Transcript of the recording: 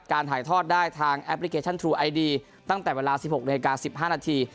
ถ่ายทอดได้ทางแอปพลิเคชันทรูไอดีตั้งแต่เวลา๑๖นาฬิกา๑๕นาที